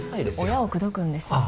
親を口説くんですあ